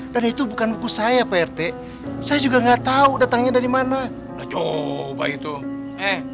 dan itu bukan buku saya prt saya juga enggak tahu datangnya dari mana coba itu eh